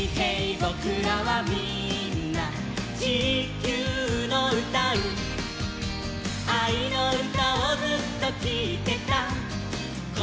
ぼくらはみんな地球のうたう」「あいのうたをずっときいてたこどもたち」